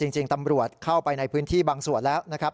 จริงตำรวจเข้าไปในพื้นที่บางส่วนแล้วนะครับ